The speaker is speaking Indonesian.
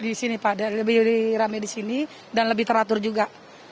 di sini pak lebih rame di sini dan lebih teratur juga